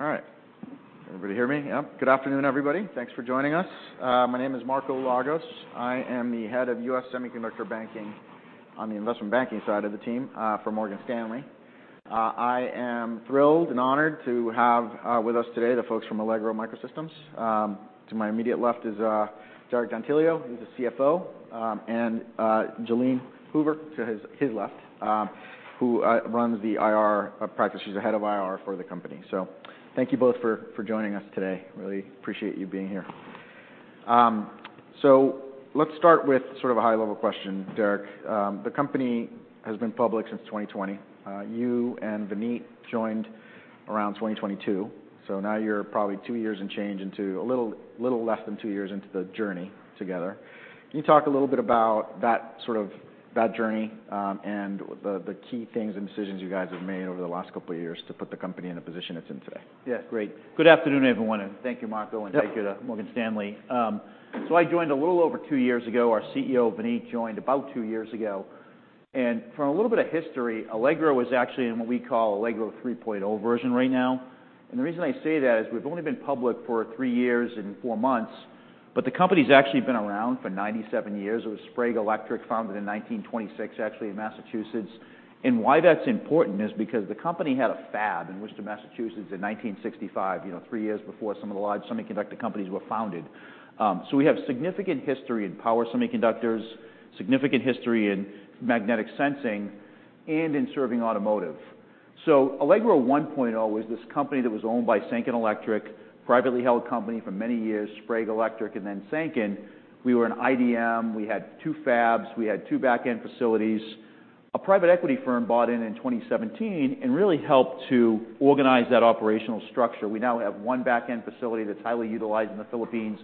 All right. Everybody hear me? Yep. Good afternoon, everybody. Thanks for joining us. My name is Marco Lagos. I am the Head of U.S. Semiconductor Banking on the investment banking side of the team, for Morgan Stanley. I am thrilled and honored to have, with us today the folks from Allegro MicroSystems. To my immediate left is, Derek D'Antilio. He's the CFO. And, Jalene Hoover to his, his left, who runs the IR practice. She's the Head of IR for the company. So thank you both for joining us today. Really appreciate you being here. So let's start with sort of a high-level question, Derek. The company has been public since 2020. You and Vineet joined around 2022, so now you're probably two years and change into, a little less than two years into the journey together. Can you talk a little bit about that sort of that journey, and what the key things and decisions you guys have made over the last couple of years to put the company in the position it's in today? Yes. Great. Good afternoon, everyone. Thank you, Marco, and thank you to Morgan Stanley. I joined a little over two years ago. Our CEO, Vineet, joined about two years ago. For a little bit of history, Allegro is actually in what we call Allegro 3.0 version right now. The reason I say that is we've only been public for three years and four months, but the company's actually been around for 97 years. It was Sprague Electric, founded in 1926, actually, in Massachusetts. Why that's important is because the company had a fab in Worcester, Massachusetts, in 1965, you know, three years before some of the large semiconductor companies were founded. We have significant history in power semiconductors, significant history in magnetic sensing, and in serving automotive. So Allegro 1.0 was this company that was owned by Sanken Electric, privately held company for many years, Sprague Electric, and then Sanken. We were an IDM. We had two fabs. We had two backend facilities. A private equity firm bought it in 2017 and really helped to organize that operational structure. We now have one backend facility that's highly utilized in the Philippines.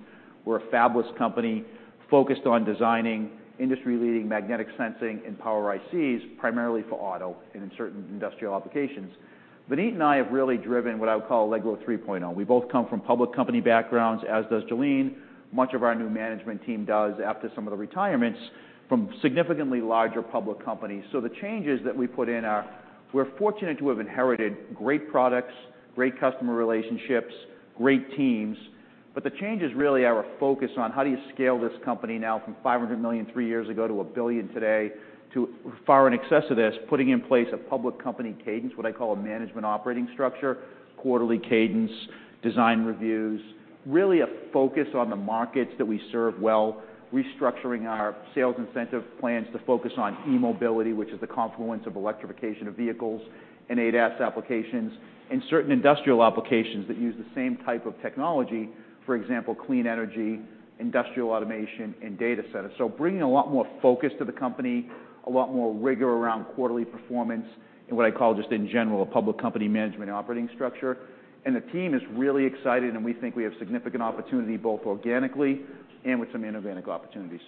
We're a fabless company focused on designing industry-leading magnetic sensing and power ICs, primarily for auto and in certain industrial applications. Vineet and I have really driven what I would call Allegro 3.0. We both come from public company backgrounds, as does Jalene. Much of our new management team does after some of the retirements from significantly larger public companies. So the changes that we put in are we're fortunate to have inherited great products, great customer relationships, great teams. But the change is really our focus on how do you scale this company now from $500 million three years ago to $1 billion today to far in excess of this, putting in place a public company cadence, what I call a management operating structure, quarterly cadence, design reviews, really a focus on the markets that we serve well, restructuring our sales incentive plans to focus on e-mobility, which is the confluence of electrification of vehicles and ADAS applications, and certain industrial applications that use the same type of technology, for example, clean energy, industrial automation, and data centers. So bringing a lot more focus to the company, a lot more rigor around quarterly performance, and what I call just in general a public company management operating structure. And the team is really excited, and we think we have significant opportunity both organically and with some inorganic opportunities.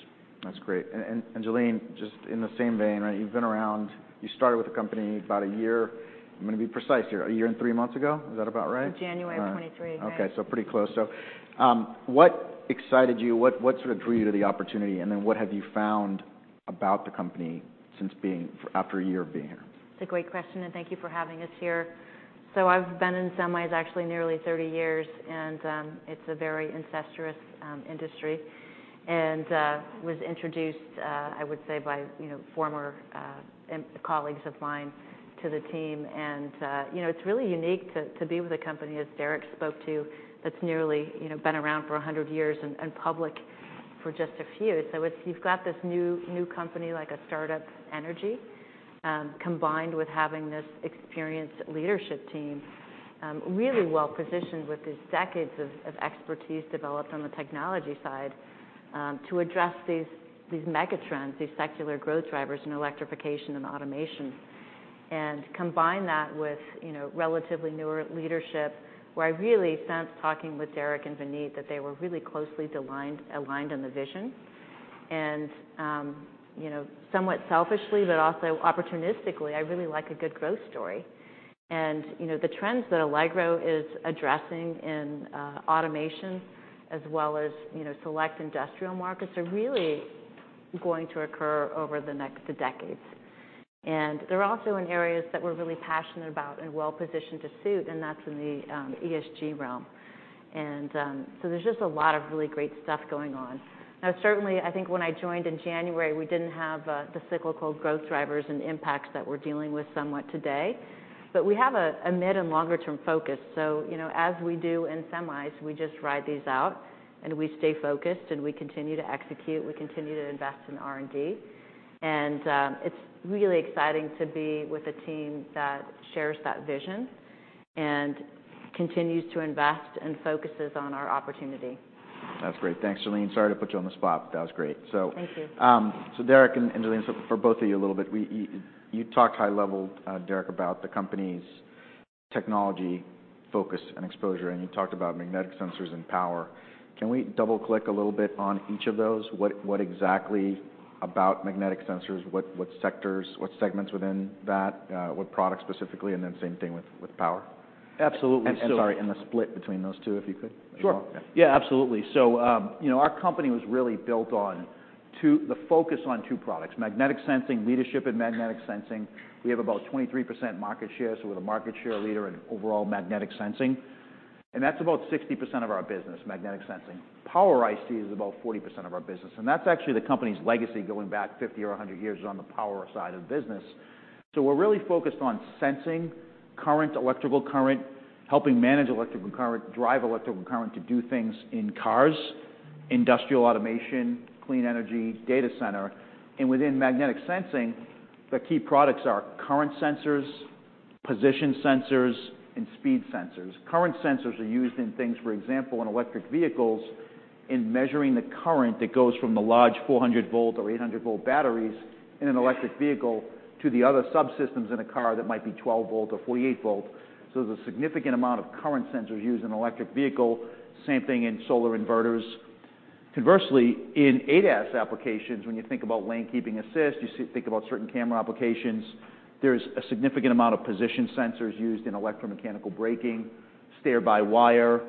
That's great. And Jalene, just in the same vein, right, you've been around. You started with the company about a year. I'm gonna be precise here. A year and three months ago? Is that about right? January 2023, yes. Okay. So pretty close. So, what excited you? What, what sort of drew you to the opportunity? And then what have you found about the company since being here after a year of being here? It's a great question, and thank you for having us here. So I've been in semis actually nearly 30 years, and it's a very ancestral industry. And I was introduced, I would say, by you know former colleagues of mine to the team. And you know it's really unique to be with a company as Derek spoke to that's nearly you know been around for 100 years and public for just a few. So you've got this new company like a startup energy combined with having this experienced leadership team really well positioned with these decades of expertise developed on the technology side to address these megatrends these secular growth drivers in electrification and automation and combine that with you know relatively newer leadership where I really sensed talking with Derek and Vineet that they were really closely aligned on the vision. You know, somewhat selfishly but also opportunistically, I really like a good growth story. You know, the trends that Allegro is addressing in automation as well as, you know, select industrial markets are really going to occur over the next decades. And they're also in areas that we're really passionate about and well positioned to suit, and that's in the ESG realm. So there's just a lot of really great stuff going on. Now, certainly, I think when I joined in January, we didn't have the cycle called growth drivers and impacts that we're dealing with somewhat today. But we have a mid and longer-term focus. You know, as we do in semis, we just ride these out, and we stay focused, and we continue to execute. We continue to invest in R&D. It's really exciting to be with a team that shares that vision and continues to invest and focuses on our opportunity. That's great. Thanks, Jalene. Sorry to put you on the spot, but that was great. So. Thank you. So Derek and Jalene, so for both of you a little bit, we you talked high-level, Derek, about the company's technology focus and exposure, and you talked about magnetic sensors and power. Can we double-click a little bit on each of those? What exactly about magnetic sensors? What sectors what segments within that? What products specifically? And then same thing with power? Absolutely. So. Sorry, the split between those two, if you could. Sure. Yeah. Yeah, absolutely. So, you know, our company was really built on two, the focus on two products: magnetic sensing, leadership in magnetic sensing. We have about 23% market share, so we're the market share leader in overall magnetic sensing. And that's about 60% of our business, magnetic sensing. Power IC is about 40% of our business. And that's actually the company's legacy going back 50 or 100 years is on the power side of business. So we're really focused on sensing current, electrical current, helping manage electrical current, drive electrical current to do things in cars, industrial automation, clean energy, data center. And within magnetic sensing, the key products are current sensors, position sensors, and speed sensors. Current sensors are used in things, for example, in electric vehicles in measuring the current that goes from the large 400 V or 800 V batteries in an electric vehicle to the other subsystems in a car that might be 12 V or 48 V. So there's a significant amount of current sensors used in an electric vehicle. Same thing in solar inverters. Conversely, in ADAS applications, when you think about lane-keeping assist, you think about certain camera applications, there's a significant amount of position sensors used in electromechanical braking, steer-by-wire,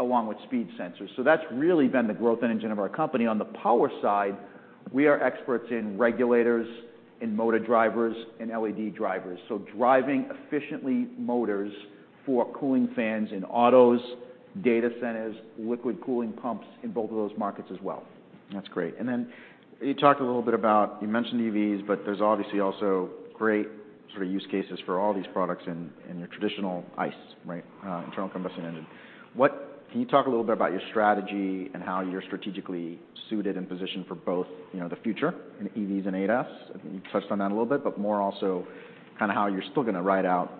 along with speed sensors. So that's really been the growth engine of our company. On the power side, we are experts in regulators, in motor drivers, in LED drivers, so driving efficiently motors for cooling fans in autos, data centers, liquid cooling pumps in both of those markets as well. That's great. And then you talked a little bit about you mentioned EVs, but there's obviously also great sort of use cases for all these products in your traditional ICE, right, internal combustion engine. What can you talk a little bit about your strategy and how you're strategically suited and positioned for both, you know, the future in EVs and ADAS? I think you touched on that a little bit, but more also kinda how you're still gonna ride out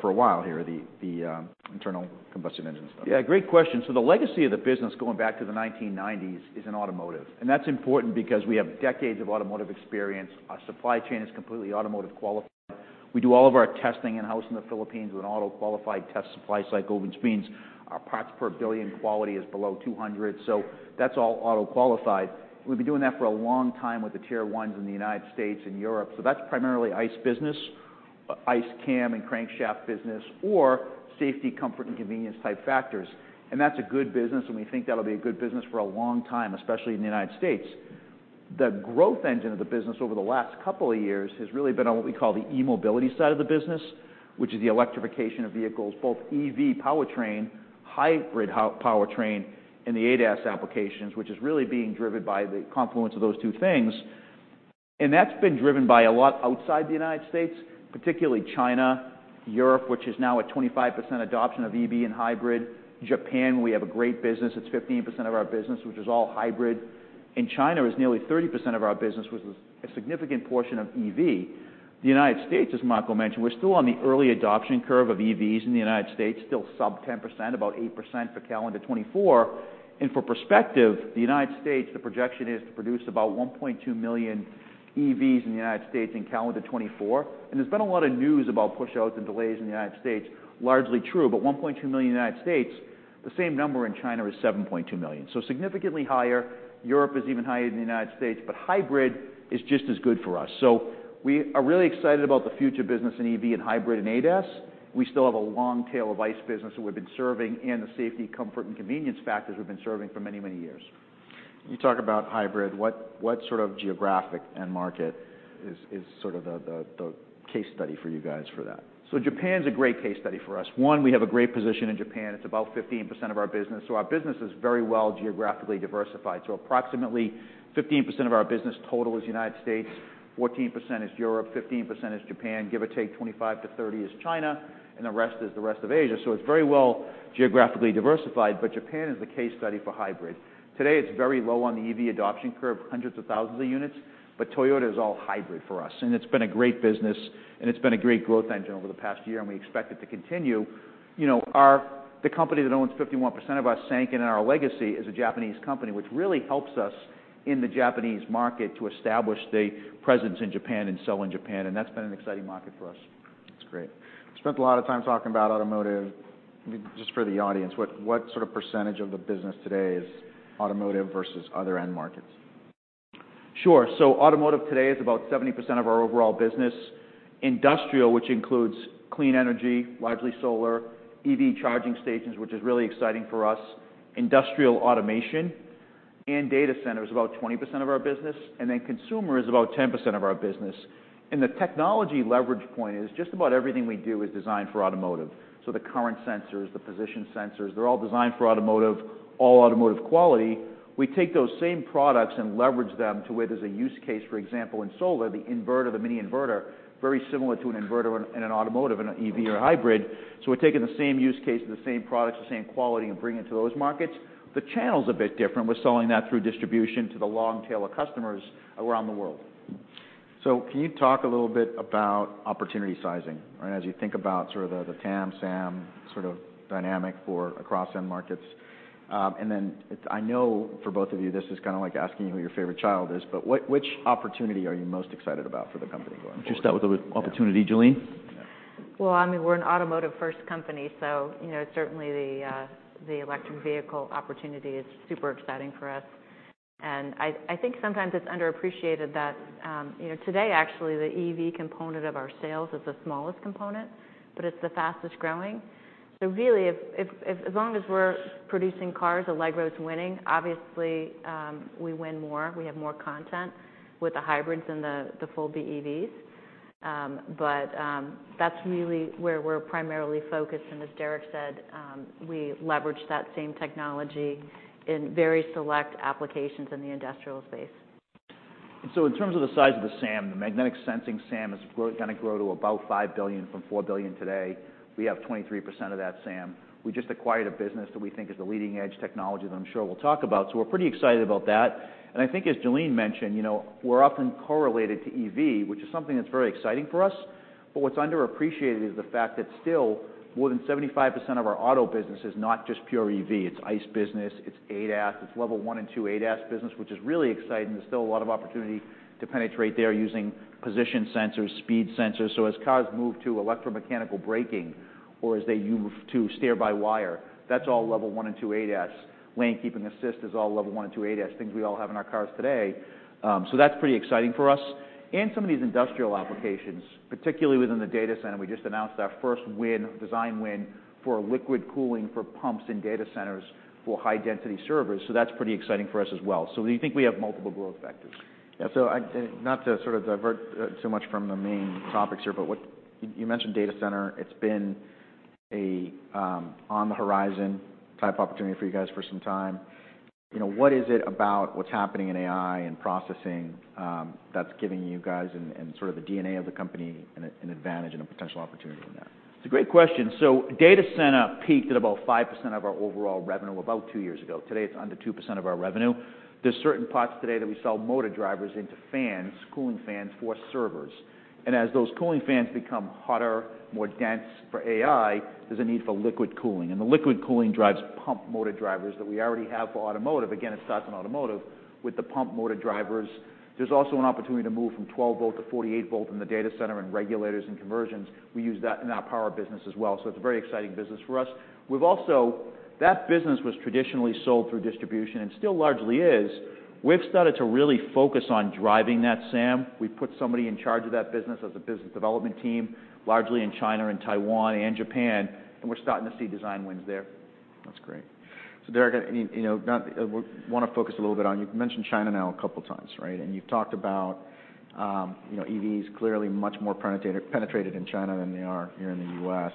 for a while here, the internal combustion engine stuff. Yeah. Great question. So the legacy of the business going back to the 1990s is in automotive. And that's important because we have decades of automotive experience. Our supply chain is completely automotive-qualified. We do all of our testing in-house in the Philippines with an auto-qualified test supply cycle, which means our parts per billion quality is below 200. So that's all auto-qualified. We've been doing that for a long time with the Tier Ones in the United States and Europe. So that's primarily ICE business, ICE cam and crankshaft business, or safety, comfort, and convenience-type factors. And that's a good business, and we think that'll be a good business for a long time, especially in the United States. The growth engine of the business over the last couple of years has really been on what we call the e-mobility side of the business, which is the electrification of vehicles, both EV powertrain, hybrid powertrain, and the ADAS applications, which is really being driven by the confluence of those two things. That's been driven by a lot outside the United States, particularly China, Europe, which is now at 25% adoption of EV and hybrid. Japan, we have a great business. It's 15% of our business, which is all hybrid. In China, it's nearly 30% of our business, which is a significant portion of EV. The United States, as Marco mentioned, we're still on the early adoption curve of EVs in the United States, still sub-10%, about 8% for calendar 2024. For perspective, the United States projection is to produce about 1.2 million EVs in the United States in calendar 2024. There's been a lot of news about push-outs and delays in the United States, largely true. But 1.2 million in the United States, the same number in China is 7.2 million. So significantly higher. Europe is even higher than the United States, but hybrid is just as good for us. So we are really excited about the future business in EV and hybrid and ADAS. We still have a long tail of ICE business that we've been serving, and the safety, comfort, and convenience factors we've been serving for many, many years. You talk about hybrid. What sort of geographic and market is sort of the case study for you guys for that? Japan's a great case study for us. 1, we have a great position in Japan. It's about 15% of our business. Our business is very well geographically diversified. Approximately 15% of our business total is United States, 14% is Europe, 15% is Japan, give or take 25%-30% is China, and the rest is the rest of Asia. It's very well geographically diversified, but Japan is the case study for hybrid. Today, it's very low on the EV adoption curve, hundreds of thousands of units, but Toyota is all hybrid for us. And it's been a great business, and it's been a great growth engine over the past year, and we expect it to continue. You know, our, the company that owns 51% of us, Sanken, and our legacy is a Japanese company, which really helps us in the Japanese market to establish the presence in Japan and sell in Japan. And that's been an exciting market for us. That's great. We spent a lot of time talking about automotive. Maybe just for the audience, what sort of percentage of the business today is automotive versus other end markets? Sure. So automotive today is about 70% of our overall business. Industrial, which includes clean energy, largely solar, EV charging stations, which is really exciting for us, industrial automation, and data center is about 20% of our business. And then consumer is about 10% of our business. And the technology leverage point is just about everything we do is designed for automotive. So the current sensors, the position sensors, they're all designed for automotive, all automotive quality. We take those same products and leverage them to where there's a use case, for example, in solar, the inverter, the mini inverter, very similar to an inverter in, in an automotive, in an EV or a hybrid. So we're taking the same use case, the same products, the same quality, and bringing it to those markets. The channel's a bit different. We're selling that through distribution to the long tail of customers around the world. So can you talk a little bit about opportunity sizing, right, as you think about sort of the, the TAM, SAM sort of dynamic for across end markets? And then, I know for both of you, this is kinda like asking you who your favorite child is, but what, which opportunity are you most excited about for the company going forward? Would you start with the opportunity, Jalene? Yeah. Well, I mean, we're an automotive-first company, so, you know, certainly the electric vehicle opportunity is super exciting for us. And I think sometimes it's underappreciated that, you know, today, actually, the EV component of our sales is the smallest component, but it's the fastest growing. So really, as long as we're producing cars, Allegro's winning. Obviously, we win more. We have more content with the hybrids and the full BEVs. But that's really where we're primarily focused. And as Derek said, we leverage that same technology in very select applications in the industrial space. In terms of the size of the SAM, the magnetic sensing SAM is gonna grow to about $5 billion from $4 billion today. We have 23% of that SAM. We just acquired a business that we think is the leading-edge technology that I'm sure we'll talk about. So we're pretty excited about that. And I think, as Jalene mentioned, you know, we're often correlated to EV, which is something that's very exciting for us. But what's underappreciated is the fact that still, more than 75% of our auto business is not just pure EV. It's ICE business. It's ADAS. It's level one and two ADAS business, which is really exciting. There's still a lot of opportunity to penetrate there using position sensors, speed sensors. So as cars move to electromechanical braking or as they move to steer-by-wire, that's all level one and two ADAS. Lane-keeping assist is all level 1 and 2 ADAS, things we all have in our cars today. That's pretty exciting for us. Some of these industrial applications, particularly within the data center, we just announced our first win, design win, for liquid cooling for pumps in data centers for high-density servers. That's pretty exciting for us as well. We think we have multiple growth vectors. Yeah. So I not to sort of divert too much from the main topics here, but what you mentioned data center. It's been an on-the-horizon type opportunity for you guys for some time. You know, what is it about what's happening in AI and processing, that's giving you guys and sort of the DNA of the company an advantage and a potential opportunity in that? It's a great question. So data center peaked at about 5% of our overall revenue about two years ago. Today, it's under 2% of our revenue. There's certain parts today that we sell motor drivers into fans, cooling fans for servers. And as those cooling fans become hotter, more dense for AI, there's a need for liquid cooling. And the liquid cooling drives pump motor drivers that we already have for automotive. Again, it starts in automotive with the pump motor drivers. There's also an opportunity to move from 12 V-48 V in the data center and regulators and conversions. We use that in our power business as well. So it's a very exciting business for us. We've also that business was traditionally sold through distribution and still largely is. We've started to really focus on driving that SAM. We've put somebody in charge of that business as a business development team, largely in China and Taiwan and Japan. We're starting to see design wins there. That's great. So Derek, I mean, you know, not we wanna focus a little bit on you've mentioned China now a couple of times, right? And you've talked about, you know, EVs clearly much more penetrated in China than they are here in the U.S.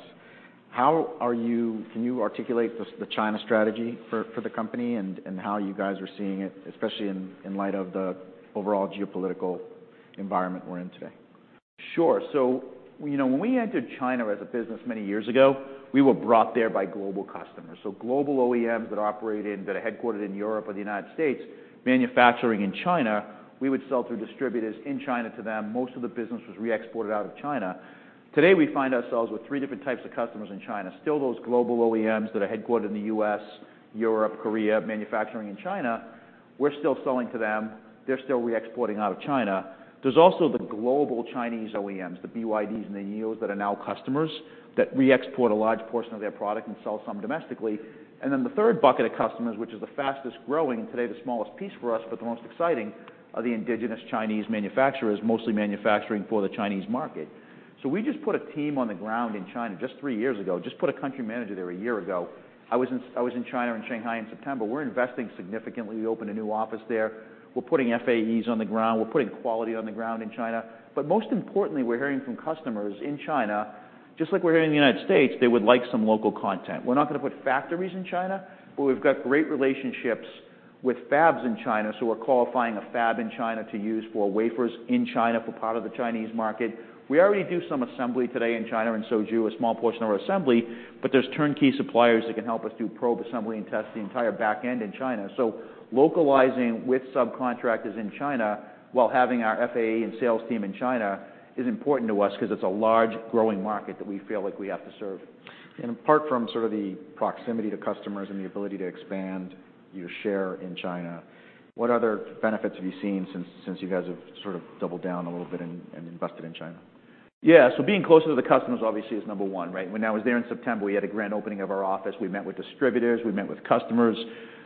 How are you? Can you articulate this, the China strategy for the company and how you guys are seeing it, especially in light of the overall geopolitical environment we're in today? Sure. So, you know, when we entered China as a business many years ago, we were brought there by global customers. So global OEMs that operate in that are headquartered in Europe or the United States manufacturing in China, we would sell through distributors in China to them. Most of the business was re-exported out of China. Today, we find ourselves with three different types of customers in China. Still, those global OEMs that are headquartered in the U.S., Europe, Korea, manufacturing in China, we're still selling to them. They're still re-exporting out of China. There's also the global Chinese OEMs, the BYDs and the NIOs that are now customers that re-export a large portion of their product and sell some domestically. Then the third bucket of customers, which is the fastest growing and today the smallest piece for us but the most exciting, are the indigenous Chinese manufacturers, mostly manufacturing for the Chinese market. So we just put a team on the ground in China just three years ago, just put a country manager there one year ago. I was in China and Shanghai in September. We're investing significantly. We opened a new office there. We're putting FAEs on the ground. We're putting quality on the ground in China. But most importantly, we're hearing from customers in China, just like we're hearing in the United States, they would like some local content. We're not gonna put factories in China, but we've got great relationships with fabs in China. So we're qualifying a fab in China to use for wafers in China for part of the Chinese market. We already do some assembly today in China in Suzhou, a small portion of our assembly, but there's turnkey suppliers that can help us do probe assembly and test the entire backend in China. So localizing with subcontractors in China while having our FAE and sales team in China is important to us 'cause it's a large growing market that we feel like we have to serve. Apart from sort of the proximity to customers and the ability to expand your share in China, what other benefits have you seen since you guys have sort of doubled down a little bit and invested in China? Yeah. So being closer to the customers, obviously, is number one, right? When I was there in September, we had a grand opening of our office. We met with distributors. We met with customers.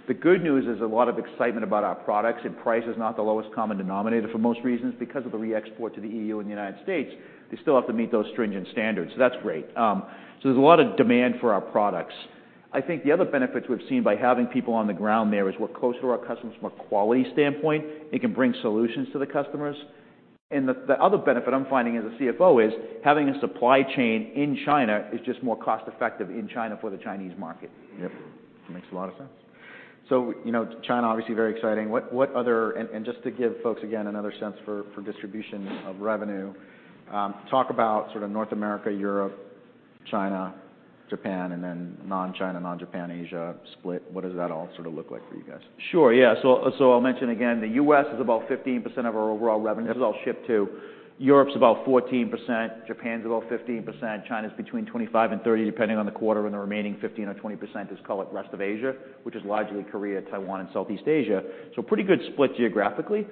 The good news is a lot of excitement about our products. And price is not the lowest common denominator for most reasons. Because of the re-export to the EU and the United States, they still have to meet those stringent standards. So that's great. So there's a lot of demand for our products. I think the other benefits we've seen by having people on the ground there is we're closer to our customers from a quality standpoint. It can bring solutions to the customers. And the other benefit I'm finding as a CFO is having a supply chain in China is just more cost-effective in China for the Chinese market. Yep. Makes a lot of sense. So, you know, China, obviously, very exciting. What other and just to give folks, again, another sense for distribution of revenue, talk about sort of North America, Europe, China, Japan, and then non-China, non-Japan Asia split. What does that all sort of look like for you guys? Sure. Yeah. So, I'll mention again, the U.S. is about 15% of our overall revenue. This is all shipped to. Europe's about 14%. Japan's about 15%. China's between 25%-30%, depending on the quarter. And the remaining 15%-20% is, call it, rest of Asia, which is largely Korea, Taiwan, and Southeast Asia. So pretty good split geographically.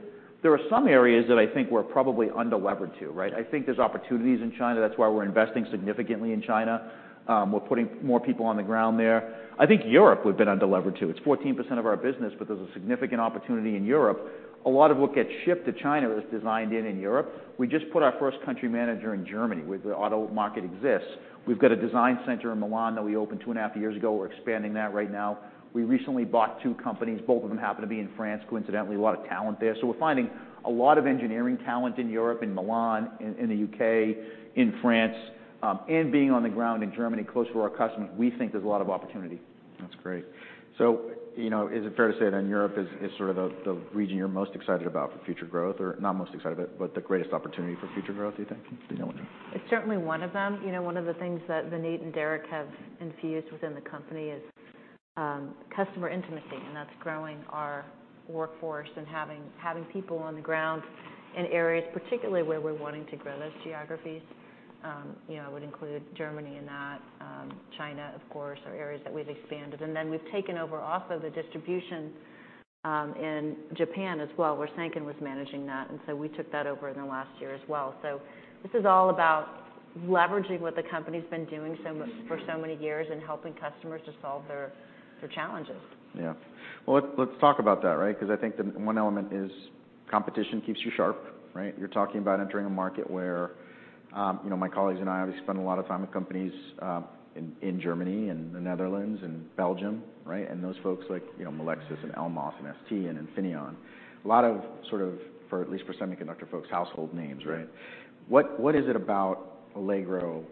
There are some areas that I think we're probably underlevered to, right? I think there's opportunities in China. That's why we're investing significantly in China. We're putting more people on the ground there. I think Europe would've been underlevered too. It's 14% of our business, but there's a significant opportunity in Europe. A lot of what gets shipped to China is designed in, in Europe. We just put our first country manager in Germany where the auto market exists. We've got a design center in Milan that we opened two and half years ago. We're expanding that right now. We recently bought two companies. Both of them happen to be in France, coincidentally, a lot of talent there. So we're finding a lot of engineering talent in Europe, in Milan, in the U.K., in France, and being on the ground in Germany close to our customers, we think there's a lot of opportunity. That's great. So, you know, is it fair to say then Europe is sort of the region you're most excited about for future growth or not most excited about, but the greatest opportunity for future growth, do you think? Do you know what you? It's certainly one of them. You know, one of the things that Vineet and Derek have infused within the company is customer intimacy. And that's growing our workforce and having, having people on the ground in areas, particularly where we're wanting to grow those geographies. You know, I would include Germany in that, China, of course, or areas that we've expanded. And then we've taken over also the distribution in Japan as well. Where Sanken was managing that. And so we took that over in the last year as well. So this is all about leveraging what the company's been doing so much for so many years and helping customers to solve their, their challenges. Yeah. Well, let's, let's talk about that, right? 'Cause I think the one element is competition keeps you sharp, right? You're talking about entering a market where, you know, my colleagues and I obviously spend a lot of time with companies in Germany and the Netherlands and Belgium, right? And those folks like, you know, Melexis and Elmos and ST and Infineon, a lot of sort of for at least for semiconductor folks, household names, right? What, what is it about Allegro,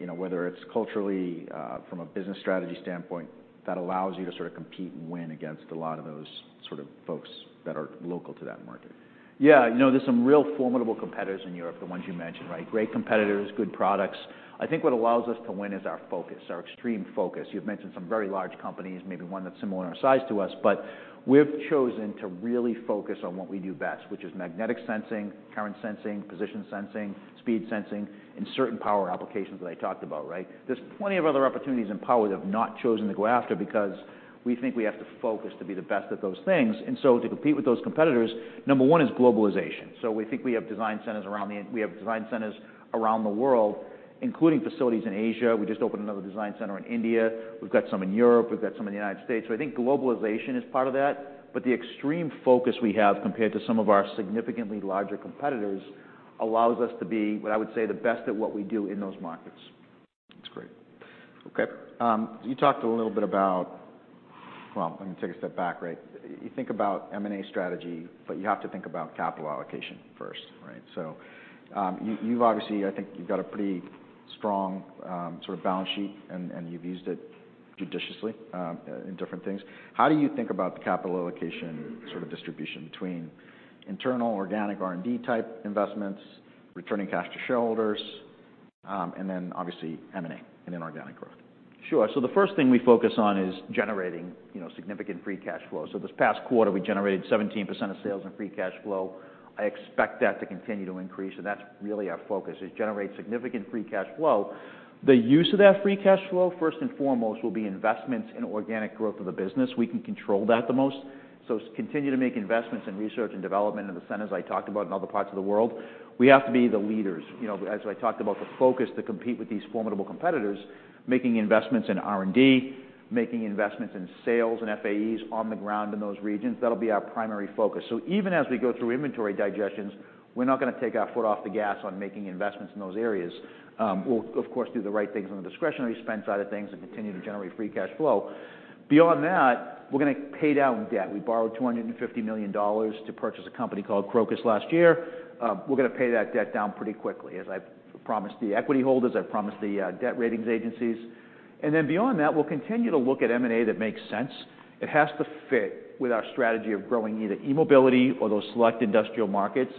you know, whether it's culturally, from a business strategy standpoint that allows you to sort of compete and win against a lot of those sort of folks that are local to that market? Yeah. You know, there's some real formidable competitors in Europe, the ones you mentioned, right? Great competitors, good products. I think what allows us to win is our focus, our extreme focus. You've mentioned some very large companies, maybe one that's similar in our size to us, but we've chosen to really focus on what we do best, which is magnetic sensing, current sensing, position sensing, speed sensing, and certain power applications that I talked about, right? There's plenty of other opportunities in power that we've not chosen to go after because we think we have to focus to be the best at those things. And so to compete with those competitors, number one is globalization. So we think we have design centers around the world, including facilities in Asia. We just opened another design center in India. We've got some in Europe. We've got some in the United States. So I think globalization is part of that. But the extreme focus we have compared to some of our significantly larger competitors allows us to be what I would say the best at what we do in those markets. That's great. Okay. You talked a little bit about well, let me take a step back, right? You think about M&A strategy, but you have to think about capital allocation first, right? So, you, you've obviously I think you've got a pretty strong, sort of balance sheet, and, and you've used it judiciously, in different things. How do you think about the capital allocation sort of distribution between internal organic R&D type investments, returning cash to shareholders, and then, obviously, M&A and inorganic growth? Sure. The first thing we focus on is generating, you know, significant free cash flow. This past quarter, we generated 17% of sales in free cash flow. I expect that to continue to increase. That's really our focus, is generate significant free cash flow. The use of that free cash flow, first and foremost, will be investments in organic growth of the business. We can control that the most. Continue to make investments in research and development in the centers I talked about in other parts of the world. We have to be the leaders. You know, as I talked about, the focus to compete with these formidable competitors, making investments in R&D, making investments in sales and FAEs on the ground in those regions, that'll be our primary focus. So even as we go through inventory digestions, we're not gonna take our foot off the gas on making investments in those areas. We'll, of course, do the right things on the discretionary spend side of things and continue to generate free cash flow. Beyond that, we're gonna pay down debt. We borrowed $250 million to purchase a company called Crocus last year. We're gonna pay that debt down pretty quickly, as I promised the equity holders. I promised the debt ratings agencies. And then beyond that, we'll continue to look at M&A that makes sense. It has to fit with our strategy of growing either e-mobility or those select industrial markets.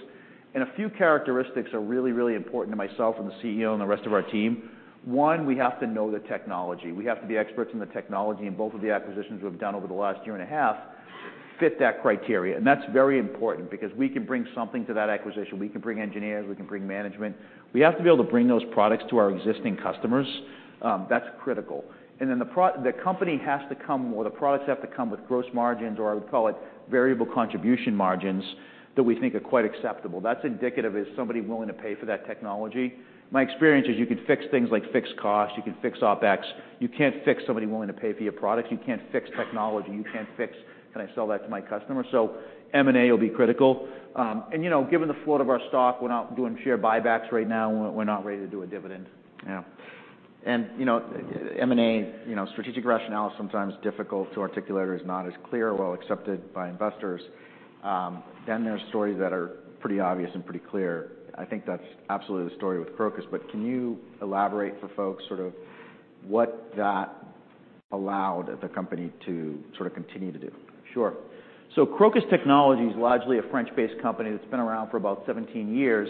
And a few characteristics are really, really important to myself and the CEO and the rest of our team. One, we have to know the technology. We have to be experts in the technology. And both of the acquisitions we've done over the last year and a half fit that criteria. And that's very important because we can bring something to that acquisition. We can bring engineers. We can bring management. We have to be able to bring those products to our existing customers. That's critical. And then the company has to come or the products have to come with gross margins or I would call it variable contribution margins that we think are quite acceptable. That's indicative is somebody willing to pay for that technology. My experience is you can fix things like fixed costs. You can fix OpEx. You can't fix somebody willing to pay for your products. You can't fix technology. You can't fix: Can I sell that to my customer? So M&A will be critical. You know, given the float of our stock, we're not doing share buybacks right now. We're not ready to do a dividend. Yeah. And, you know, M&A, you know, strategic rationale is sometimes difficult to articulate or is not as clear or well accepted by investors. Then there's stories that are pretty obvious and pretty clear. I think that's absolutely the story with Crocus. But can you elaborate for folks sort of what that allowed the company to sort of continue to do? Sure. So Crocus Technology is largely a French-based company that's been around for about 17 years.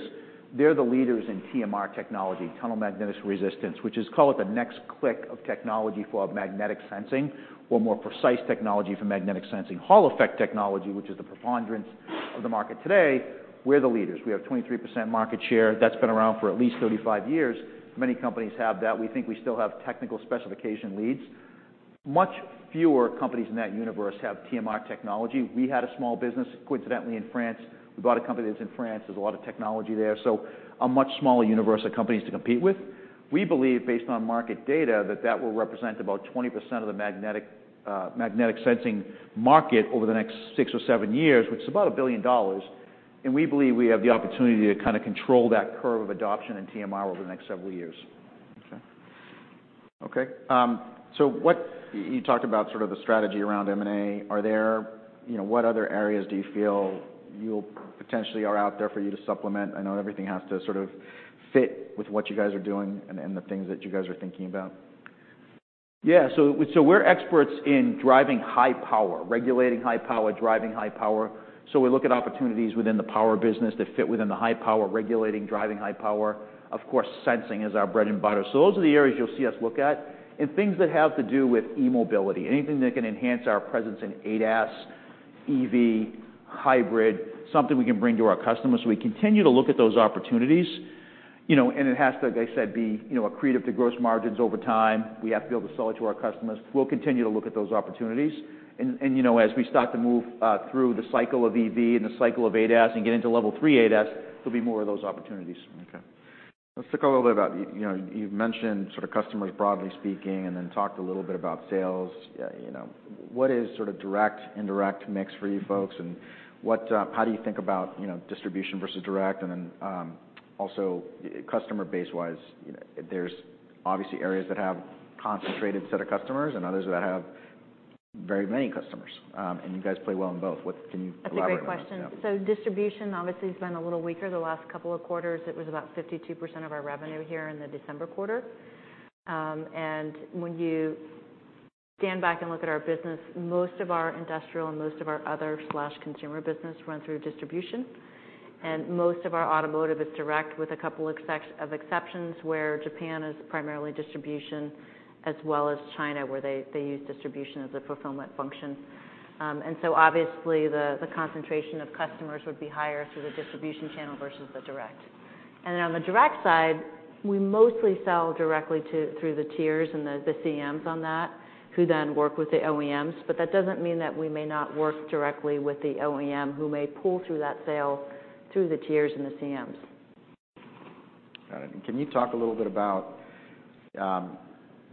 They're the leaders in TMR technology, tunnel magneto-resistance, which is call it the next-gen technology for magnetic sensing or more precise technology for magnetic sensing. Hall-effect technology, which is the preponderance of the market today, we're the leaders. We have 23% market share. That's been around for at least 35 years. Many companies have that. We think we still have technical specification leads. Much fewer companies in that universe have TMR technology. We had a small business, coincidentally, in France. We bought a company that's in France. There's a lot of technology there. So a much smaller universe of companies to compete with. We believe, based on market data, that that will represent about 20% of the magnetic, magnetic sensing market over the next six or seven years, which is about $1 billion. We believe we have the opportunity to kinda control that curve of adoption in TMR over the next several years. Okay. Okay. So what you talked about sort of the strategy around M&A. Are there, you know, what other areas do you feel you'll potentially are out there for you to supplement? I know everything has to sort of fit with what you guys are doing and the things that you guys are thinking about. Yeah. So, so we're experts in driving high power, regulating high power, driving high power. So we look at opportunities within the power business that fit within the high power, regulating, driving high power. Of course, sensing is our bread and butter. So those are the areas you'll see us look at. And things that have to do with e-mobility, anything that can enhance our presence in ADAS, EV, hybrid, something we can bring to our customers. So we continue to look at those opportunities. You know, and it has to, like I said, be, you know, accretive to gross margins over time. We have to be able to sell it to our customers. We'll continue to look at those opportunities. You know, as we start to move through the cycle of EV and the cycle of ADAS and get into level 3 ADAS, there'll be more of those opportunities. Okay. Let's talk a little bit about, you know, you've mentioned sort of customers, broadly speaking, and then talked a little bit about sales. You know, what is sort of direct, indirect mix for you folks? And what, how do you think about, you know, distribution versus direct? And then, also customer base-wise, you know, there's obviously areas that have a concentrated set of customers and others that have very many customers. And you guys play well in both. What can you elaborate on that? That's a great question. So distribution, obviously, has been a little weaker the last couple of quarters. It was about 52% of our revenue here in the December quarter. When you stand back and look at our business, most of our industrial and most of our other/consumer business run through distribution. Most of our automotive is direct with a couple of exceptions where Japan is primarily distribution as well as China where they use distribution as a fulfillment function. Obviously, the concentration of customers would be higher through the distribution channel versus the direct. On the direct side, we mostly sell directly to through the tiers and the CMs on that who then work with the OEMs. But that doesn't mean that we may not work directly with the OEM who may pull through that sale through the tiers and the CMs. Got it. Can you talk a little bit about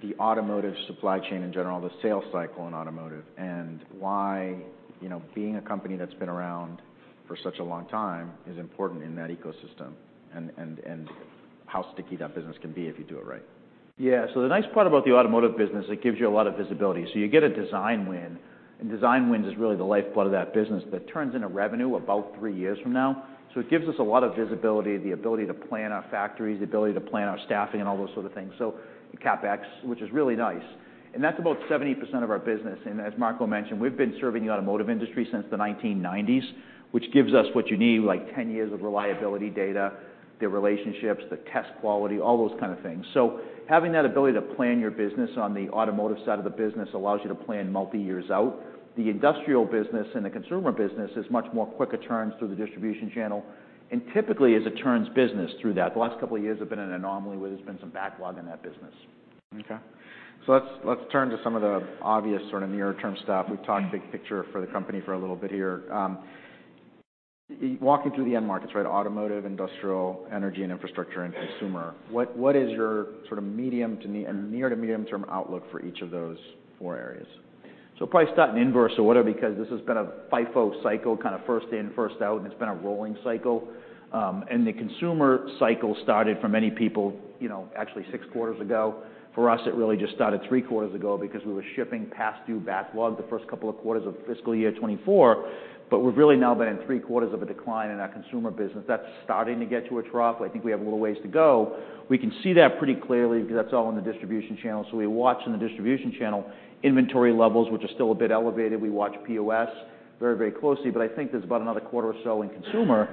the automotive supply chain in general, the sales cycle in automotive, and why, you know, being a company that's been around for such a long time is important in that ecosystem, and how sticky that business can be if you do it right? Yeah. So the nice part about the automotive business, it gives you a lot of visibility. So you get a design win. And design wins is really the lifeblood of that business that turns into revenue about three years from now. So it gives us a lot of visibility, the ability to plan our factories, the ability to plan our staffing, and all those sort of things. So CapEx, which is really nice. And that's about 70% of our business. And as Marco mentioned, we've been serving the automotive industry since the 1990s, which gives us what you need, like 10 years of reliability data, the relationships, the test quality, all those kind of things. So having that ability to plan your business on the automotive side of the business allows you to plan multi-years out. The industrial business and the consumer business is much more quick-at-turns through the distribution channel and typically is a turns business through that. The last couple of years have been an anomaly where there's been some backlog in that business. Okay. So let's, let's turn to some of the obvious sort of near-term stuff. We've talked big picture for the company for a little bit here, walking through the end markets, right, automotive, industrial, energy, and infrastructure, and consumer. What, what is your sort of medium- to near- to medium-term outlook for each of those four areas? So probably start in inverse or whatever because this has been a FIFO cycle kind of first in, first out, and it's been a rolling cycle. The consumer cycle started, for many people, you know, actually six quarters ago. For us, it really just started three quarters ago because we were shipping past due backlog the first couple of quarters of fiscal year 2024. But we've really now been in three quarters of a decline in our consumer business. That's starting to get to a trough. I think we have a little ways to go. We can see that pretty clearly because that's all in the distribution channel. So we watch in the distribution channel inventory levels, which are still a bit elevated. We watch POS very, very closely. But I think there's about another quarter or so in consumer.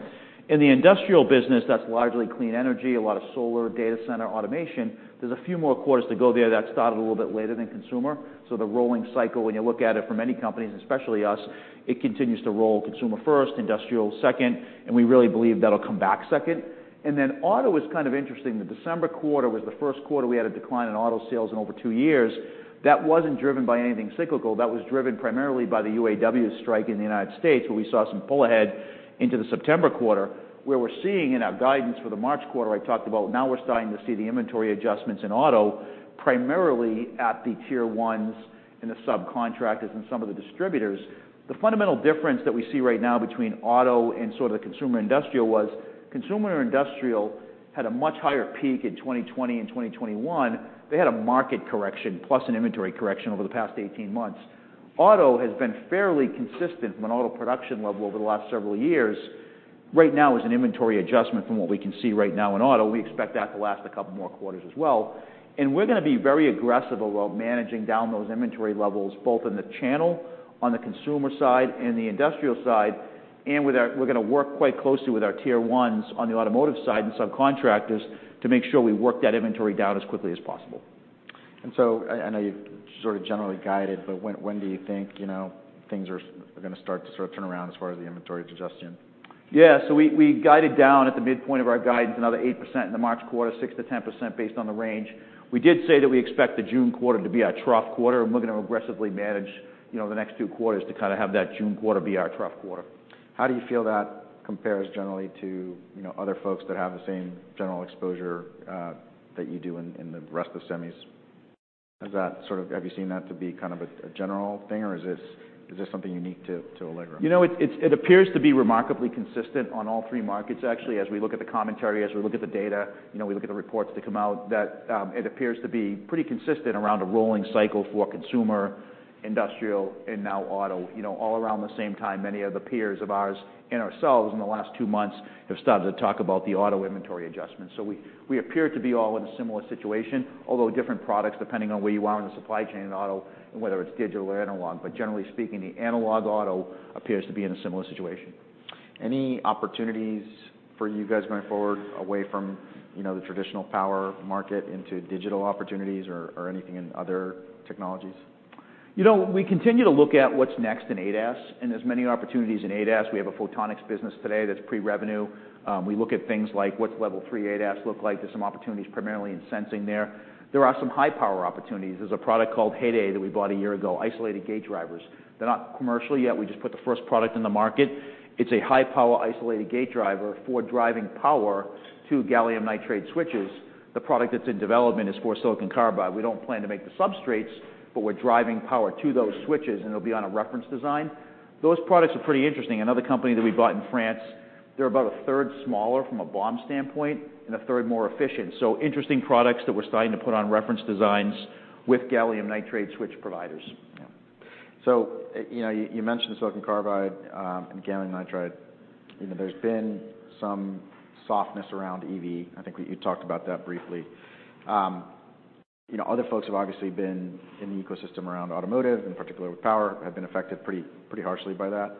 In the industrial business, that's largely clean energy, a lot of solar, data center, automation. There's a few more quarters to go there that started a little bit later than consumer. So the rolling cycle, when you look at it from many companies, especially us, it continues to roll, consumer first, industrial second. And we really believe that'll come back second. And then auto is kind of interesting. The December quarter was the first quarter we had a decline in auto sales in over two years. That wasn't driven by anything cyclical. That was driven primarily by the UAW strike in the United States where we saw some pull ahead into the September quarter where we're seeing in our guidance for the March quarter, I talked about, now we're starting to see the inventory adjustments in auto primarily at the Tier Ones and the subcontractors and some of the distributors. The fundamental difference that we see right now between auto and sort of the consumer industrial was consumer and industrial had a much higher peak in 2020 and 2021. They had a market correction plus an inventory correction over the past 18 months. Auto has been fairly consistent from an auto production level over the last several years. Right now is an inventory adjustment from what we can see right now in auto. We expect that to last a couple more quarters as well. And we're gonna be very aggressive about managing down those inventory levels both in the channel, on the consumer side, and the industrial side. And we're gonna work quite closely with our Tier Ones on the automotive side and subcontractors to make sure we work that inventory down as quickly as possible. I know you've sort of generally guided, but when do you think, you know, things are gonna start to sort of turn around as far as the inventory suggestion? Yeah. So we guided down at the midpoint of our guidance another 8% in the March quarter, 6%-10% based on the range. We did say that we expect the June quarter to be our trough quarter. And we're gonna aggressively manage, you know, the next two quarters to kinda have that June quarter be our trough quarter. How do you feel that compares generally to, you know, other folks that have the same general exposure that you do in the rest of semis? Has that sort of have you seen that to be kind of a general thing, or is it something unique to Allegro? You know, it appears to be remarkably consistent on all three markets, actually, as we look at the commentary, as we look at the data, you know, we look at the reports that come out. It appears to be pretty consistent around a rolling cycle for consumer, industrial, and now auto, you know, all around the same time. Many of the peers of ours and ourselves in the last two months have started to talk about the auto inventory adjustments. So we appear to be all in a similar situation, although different products depending on where you are in the supply chain in auto and whether it's digital or analog. But generally speaking, the analog auto appears to be in a similar situation. Any opportunities for you guys going forward away from, you know, the traditional power market into digital opportunities or anything in other technologies? You know, we continue to look at what's next in ADAS. There's many opportunities in ADAS. We have a photonics business today that's pre-revenue. We look at things like what's Level 3 ADAS look like. There's some opportunities primarily in sensing there. There are some high-power opportunities. There's a product called Heyday that we bought a year ago, isolated gate drivers. They're not commercial yet. We just put the first product in the market. It's a high-power isolated gate driver for driving power to gallium nitride switches. The product that's in development is for silicon carbide. We don't plan to make the substrates, but we're driving power to those switches, and it'll be on a reference design. Those products are pretty interesting. Another company that we bought in France. They're about a third smaller from a BOM standpoint and a third more efficient. Interesting products that we're starting to put on reference designs with gallium nitride switch providers. Yeah. So, you know, you, you mentioned silicon carbide, and gallium nitride. You know, there's been some softness around EV. I think we, you talked about that briefly. You know, other folks have obviously been in the ecosystem around automotive, in particular with power, have been affected pretty, pretty harshly by that.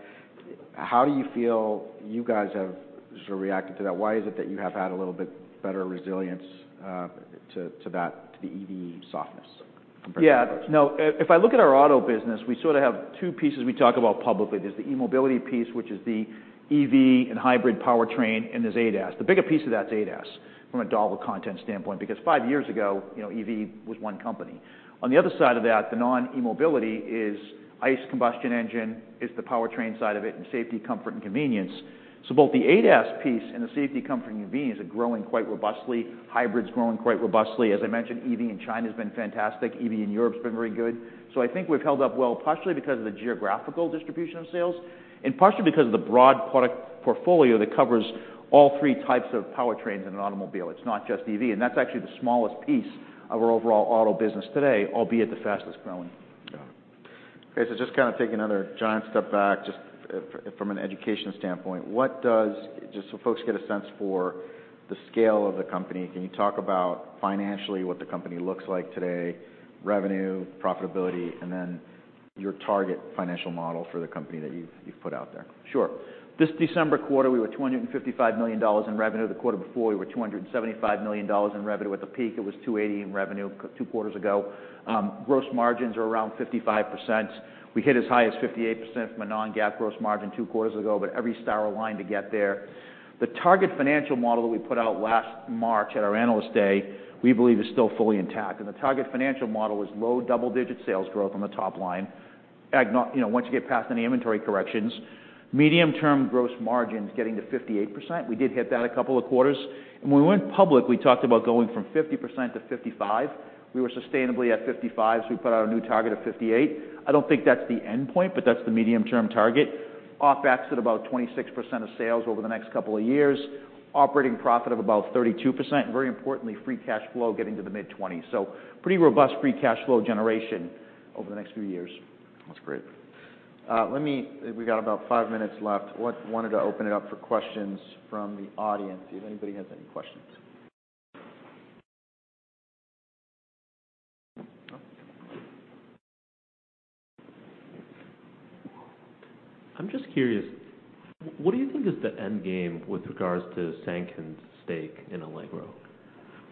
How do you feel you guys have sort of reacted to that? Why is it that you have had a little bit better resilience, to, to that, to the EV softness compared to other folks? Yeah. No, if, if I look at our auto business, we sort of have two pieces we talk about publicly. There's the e-mobility piece, which is the EV and hybrid powertrain, and there's ADAS. The bigger piece of that's ADAS from a dollar content standpoint because five years ago, you know, EV was one company. On the other side of that, the non-e-mobility is ICE combustion engine, is the powertrain side of it and safety, comfort, and convenience. So both the ADAS piece and the safety, comfort, and convenience are growing quite robustly. Hybrid's growing quite robustly. As I mentioned, EV in China’s been fantastic. EV in Europe’s been very good. So I think we've held up well partially because of the geographical distribution of sales and partially because of the broad product portfolio that covers all three types of powertrains in an automobile. It's not just EV. That's actually the smallest piece of our overall auto business today, albeit the fastest growing. Got it. Okay. So just kinda taking another giant step back just from an education standpoint, what does just so folks get a sense for the scale of the company, can you talk about financially what the company looks like today, revenue, profitability, and then your target financial model for the company that you've, you've put out there? Sure. This December quarter, we were $255 million in revenue. The quarter before, we were $275 million in revenue. At the peak, it was $280 in revenue two quarters ago. Gross margins are around 55%. We hit as high as 58% from a non-GAAP gross margin two quarters ago, but every star aligned to get there. The target financial model that we put out last March at our analyst day, we believe, is still fully intact. And the target financial model is low double-digit sales growth on the top line. And you know, once you get past any inventory corrections, medium-term gross margins getting to 58%. We did hit that a couple of quarters. And when we went public, we talked about going from 50% to 55%. We were sustainably at 55%, so we put out a new target of 58%. I don't think that's the endpoint, but that's the medium-term target. OpEx at about 26% of sales over the next couple of years, operating profit of about 32%, and very importantly, free cash flow getting to the mid-20s. So pretty robust free cash flow generation over the next few years. That's great. Let me. We've got about five minutes left. I wanted to open it up for questions from the audience if anybody has any questions. I'm just curious. What do you think is the end game with regards to Sanken's stake in Allegro?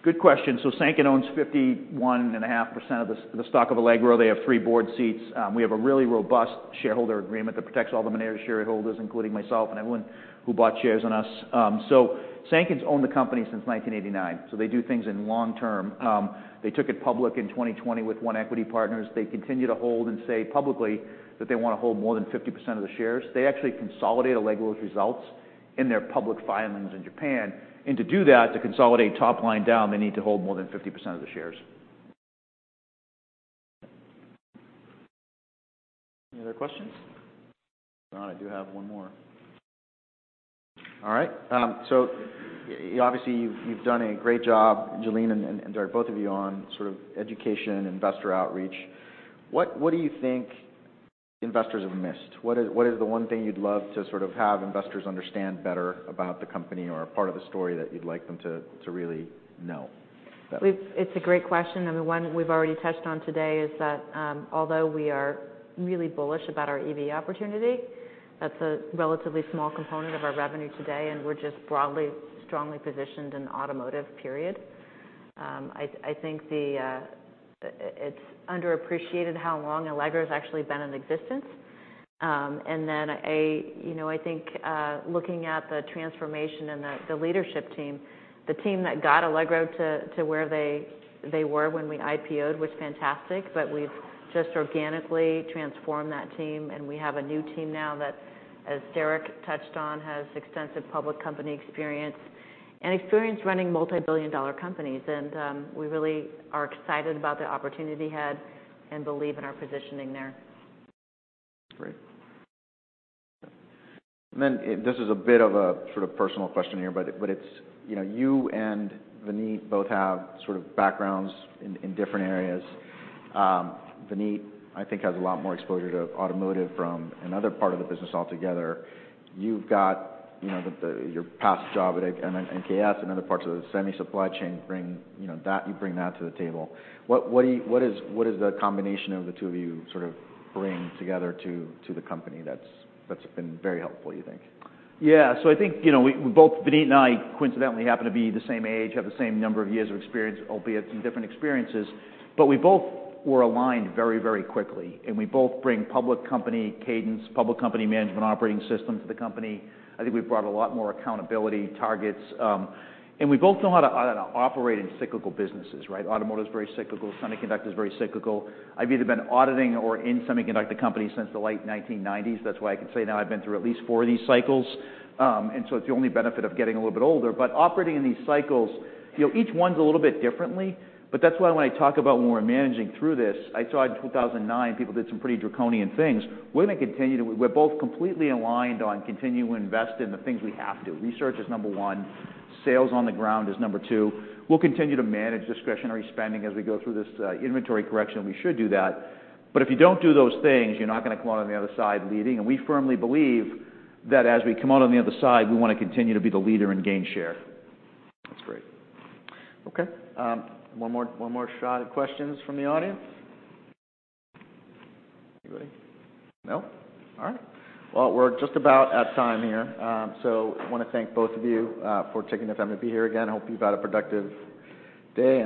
Good question. So Sanken owns 51.5% of the stock of Allegro. They have three board seats. We have a really robust shareholder agreement that protects all the managers' shareholders, including myself and everyone who bought shares in us. So Sanken's owned the company since 1989, so they do things in long term. They took it public in 2020 with One Equity Partners. They continue to hold and say publicly that they wanna hold more than 50% of the shares. They actually consolidate Allegro's results in their public filings in Japan. And to do that, to consolidate top line down, they need to hold more than 50% of the shares. Any other questions? John, I do have one more. All right. So you obviously, you've done a great job, Jalene and Derek, both of you, on sort of education, investor outreach. What do you think investors have missed? What is the one thing you'd love to sort of have investors understand better about the company or part of the story that you'd like them to really know? It's a great question. And the one we've already touched on today is that, although we are really bullish about our EV opportunity, that's a relatively small component of our revenue today. And we're just broadly, strongly positioned in automotive, period. I think it's underappreciated how long Allegro's actually been in existence. And then, you know, I think, looking at the transformation and the leadership team, the team that got Allegro to where they were when we IPOed, was fantastic. But we've just organically transformed that team. And we have a new team now that, as Derek touched on, has extensive public company experience and experience running multi-billion-dollar companies. And we really are excited about the opportunity ahead and believe in our positioning there. That's great. And then this is a bit of a sort of personal question here, but it's, you know, you and Vineet both have sort of backgrounds in different areas. Vineet, I think, has a lot more exposure to automotive from another part of the business altogether. You've got, you know, your past job at MKS and other parts of the semi-supply chain bring that you bring to the table. What is the combination of the two of you sort of bring together to the company that's been very helpful, you think? Yeah. So I think, you know, we both Vineet and I coincidentally happen to be the same age, have the same number of years of experience, albeit some different experiences. But we both were aligned very, very quickly. And we both bring public company cadence, public company management operating system to the company. I think we've brought a lot more accountability, targets, and we both know how to operate in cyclical businesses, right? Automotive's very cyclical. Semiconductor's very cyclical. I've either been auditing or in semiconductor companies since the late 1990s. That's why I can say now I've been through at least four of these cycles, and so it's the only benefit of getting a little bit older. But operating in these cycles, you know, each one's a little bit differently. But that's why, when I talk about when we're managing through this, I saw in 2009 people did some pretty draconian things. We're gonna continue to. We're both completely aligned on continuing to invest in the things we have to. Research is number one. Sales on the ground is number two. We'll continue to manage discretionary spending as we go through this inventory correction. We should do that. But if you don't do those things, you're not gonna come out on the other side leading. And we firmly believe that as we come out on the other side, we wanna continue to be the leader and gain share. That's great. Okay. One more, one more shot at questions from the audience? Anybody? No? All right. Well, we're just about at time here. So, wanna thank both of you for taking the time to be here again. Hope you've had a productive day.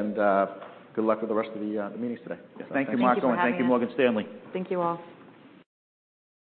Good luck with the rest of the meetings today. Thank you, Michael. Thank you, Morgan Stanley. Thank you all.